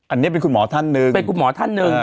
อันนี้เป็นคุณหมอท่านหนึ่งเป็นคุณหมอท่านหนึ่ง